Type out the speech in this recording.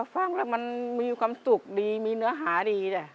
ฟังแล้วมันมีความสุขดีมีเนื้อหาดีจ้ะ